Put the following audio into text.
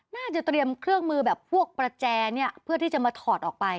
เตรียมเครื่องมือแบบพวกประแจเนี่ยเพื่อที่จะมาถอดออกไป